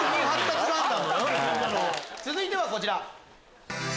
続いてはこちら。